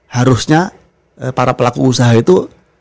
harusnya para pelaku usaha itu